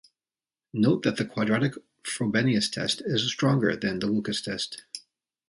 Note that the quadratic Frobenius test is stronger than the Lucas test.